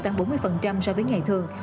tăng bốn mươi so với ngày thường